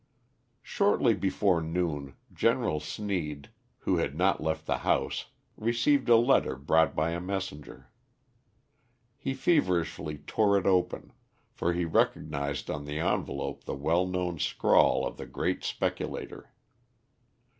Shortly before noon General Sneed, who had not left the house, received a letter brought by a messenger. He feverishly tore it open, for he recognised on the envelope the well known scrawl of the great speculator.